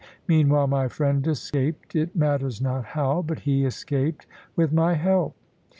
Meanwhile, my friend escaped it matters not how but he escaped, with my help.